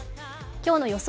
今日の予想